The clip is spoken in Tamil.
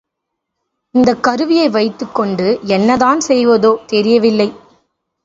இந்தக் கருவியை வைத்துக் கொண்டு என்னதான் செய்வதோ தெரியவில்லை.